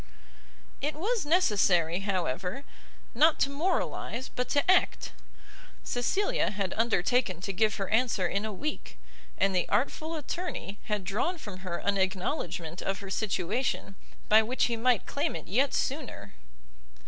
It was necessary, however, not to moralize, but to act; Cecilia had undertaken to give her answer in a week, and the artful attorney had drawn from her an acknowledgment of her situation, by which he might claim it yet sooner.